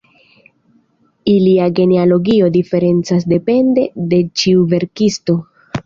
Ilia genealogio diferencas depende de ĉiu verkisto.